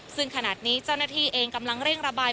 ซึ่งขณะนี้เจ้าหน้าที่เองกำลังเร่งระบาย